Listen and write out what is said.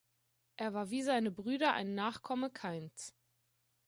Er war wie seine Brüder ein Nachkomme Kains.